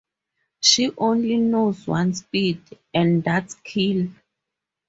She only knows one speed and that's kill.